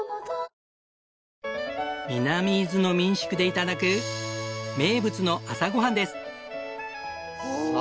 南伊豆の民宿で頂く名物の朝ごはんです。